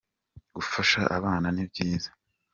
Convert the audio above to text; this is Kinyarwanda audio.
gufasha abana ni byiza.